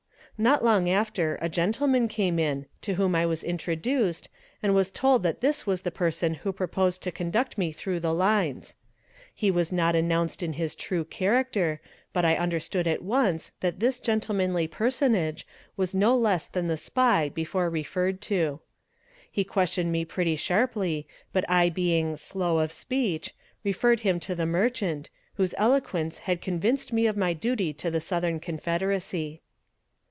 Not long after a gentleman came in, to whom I was introduced, and was told that this was the person who proposed to conduct me through the lines. He was not announced in his true character, but I understood at once that this gentlemanly personage was no less than the spy before referred to. He questioned me pretty sharply, but I being "slow of speech," referred him to the merchant, whose eloquence had convinced me of my duty to the Southern confederacy.